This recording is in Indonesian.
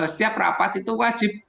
setiap rapat itu wajib